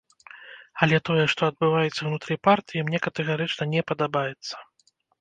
Але тое, што адбываецца ўнутры партыі, мне катэгарычна не падабаецца.